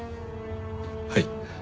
はい。